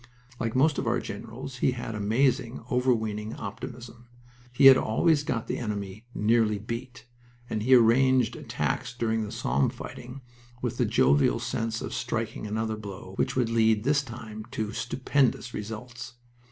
Like most of our generals, he had amazing, overweening optimism. He had always got the enemy "nearly beat," and he arranged attacks during the Somme fighting with the jovial sense of striking another blow which would lead this time to stupendous results.